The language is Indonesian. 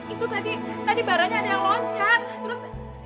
itu tadi tadi baranya ada yang loncat terus